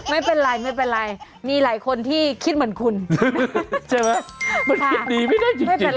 ไม่เป็นไรมีหลายคนที่คิดเหมือนคุณนะฮะใช่ไหมมันคิดดีไม่ได้อยู่